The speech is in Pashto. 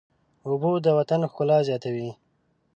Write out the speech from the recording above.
اوبه د وطن ښکلا زیاتوي.